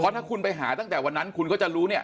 ถ้าคุณไปหาตั้งแต่วันนั้นคุณก็จะรู้เนี่ย